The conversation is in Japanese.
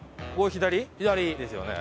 左。ですね。